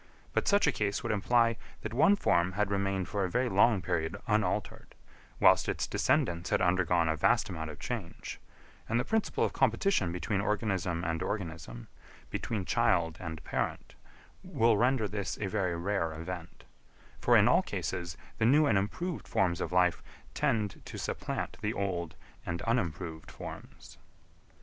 But such a case would imply that one form had remained for a very long period unaltered, whilst its descendants had undergone a vast amount of change; and the principle of competition between organism and organism, between child and parent, will render this a very rare event; for in all cases the new and improved forms of life tend to supplant the old and unimproved forms.